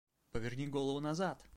Поверни голову назад!